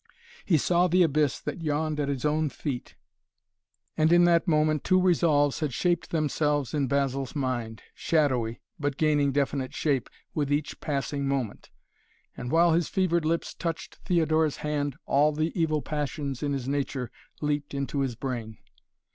He saw the abyss that yawned at his own feet, and in that moment two resolves had shaped themselves in Basil's mind, shadowy, but gaining definite shape with each passing moment, and, while his fevered lips touched Theodora's hand, all the evil passions in his nature leaped into his brain.